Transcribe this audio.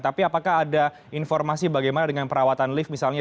tapi apakah ada informasi bagaimana dengan perawatan lift misalnya